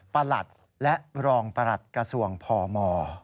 ประหลัดและรองประหลัดกระทรวงพม